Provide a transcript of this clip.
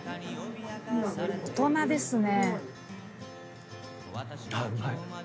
大人ですね。